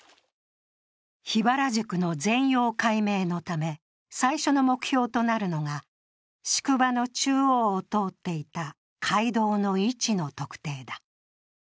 桧原宿の全容解明のため、最初の目標となるのが宿場の中央を通っていた街道の位置の特定だ。